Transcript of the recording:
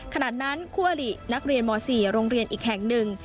ขณะนั้นคู่อลินักเรียนม๔โรงเรียนอีกแห่งหนึ่ง